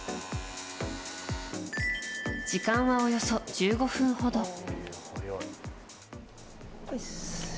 時間はおよそ１５分ほど。